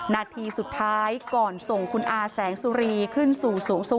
นาทีสุดท้ายก่อนส่งคุณอาแสงสุรีขึ้นสู่สวง